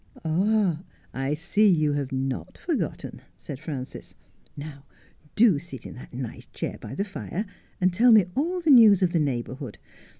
' Ah, I see you have not forgotten,' said Frances. 'Now do sit in that nice chair by the fire, and tell me all the news of the neighbourhood.